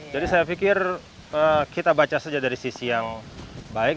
jadi saya pikir kita baca saja dari sisi yang baik